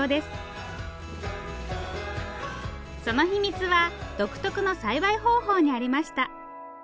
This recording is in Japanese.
その秘密は独特の栽培方法にありました